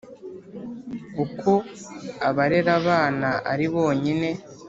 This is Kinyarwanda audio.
Uko abarera abana ari bonyine